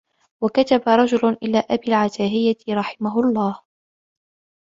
وَكَتَبَ رَجُلٌ إلَى أَبِي الْعَتَاهِيَةِ رَحِمَهُ اللَّهُ